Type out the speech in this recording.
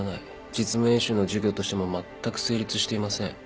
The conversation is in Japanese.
実務演習の授業としてもまったく成立していません。